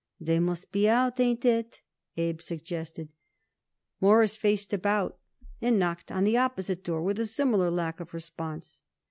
"They must be out. Ain't it?" Abe suggested. Morris faced about and knocked on the opposite door, with a similar lack of response.